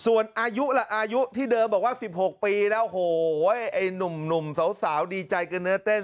ส่วนอายุล่ะอายุที่เดิมบอกว่าสิบหกปีแล้วโหไอ้หนุ่มหนุ่มสาวสาวดีใจกับเนื้อเต้น